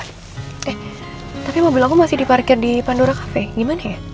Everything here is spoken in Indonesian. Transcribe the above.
eh tapi mobil aku masih diparkir di pandora kafe gimana ya